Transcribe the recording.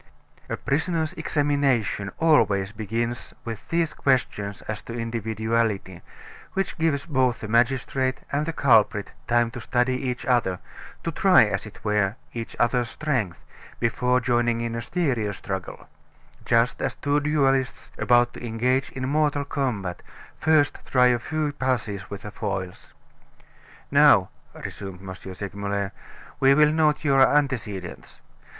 A prisoner's examination always begins with these questions as to individuality, which gives both the magistrate and the culprit time to study each other, to try, as it were, each other's strength, before joining in a serious struggle; just as two duelists, about to engage in mortal combat, first try a few passes with the foils. "Now," resumed M. Segmuller, "we will note your antecedents.